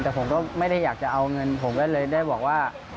แต่ผมก็ไม่ได้อยากจะเอาเงินผมก็เลยได้บอกว่า